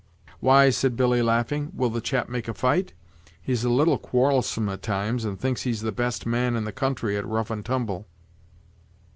"Why," said Billy, laughing, "will the chap make fight?" "He's a little quarrelsome at times, and thinks he's the best man in the country at rough and tumble."